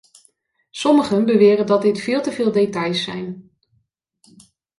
Sommigen beweren dat dit veel te veel details zijn.